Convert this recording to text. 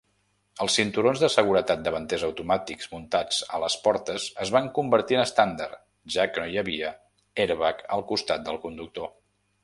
Els cinturons de seguretat davanters automàtics muntats a les portes es van convertir en estàndard, ja que no hi havia airbag al costat del conductor.